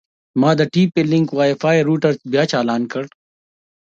ما د ټي پي لینک وای فای روټر بیا چالان کړ.